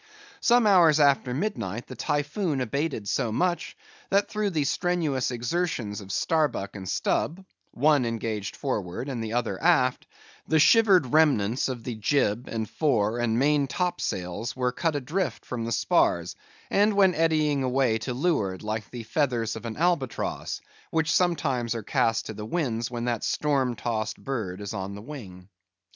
Some hours after midnight, the Typhoon abated so much, that through the strenuous exertions of Starbuck and Stubb—one engaged forward and the other aft—the shivered remnants of the jib and fore and main top sails were cut adrift from the spars, and went eddying away to leeward, like the feathers of an albatross, which sometimes are cast to the winds when that storm tossed bird is on the wing.